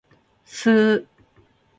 スー